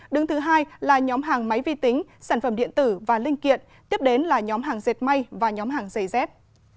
đứng thứ hai là nhóm hàng máy vi tính sản phẩm điện tử và linh kiện tiếp đến là nhóm hàng dệt may và nhóm hàng giày dép